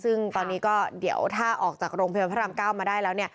ซึ่งตอนนี้ก็เดี๋ยวถ้าออกจากโรงพยาบาลพระราม๙มาได้แล้ว